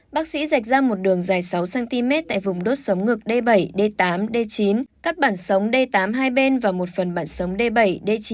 bác sĩ dạch ra một đường dài sáu cm tại vùng đốt sóng ngực d bảy d tám d chín cắt bản sống d tám hai bên và một phần bản sống d bảy d chín